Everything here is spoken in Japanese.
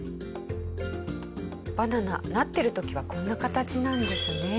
バナナなってる時はこんな形なんですね。